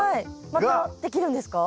またできるんですか？